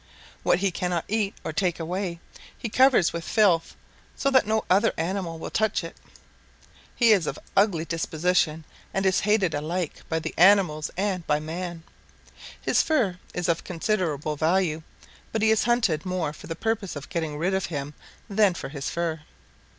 What he cannot eat or take away, he covers with filth so that no other animal will touch it. He is of ugly disposition and is hated alike by the animals and by man. His fur is of considerable value, but he is hunted more for the purpose of getting rid of him than for his fur.